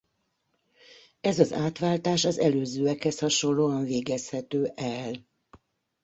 Ez az átváltás az előzőekhez hasonlóan végezhető el.